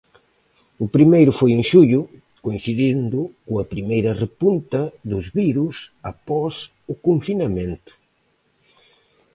O primeiro foi en xullo, coincidindo coa primeira repunta dos virus após o confinamento.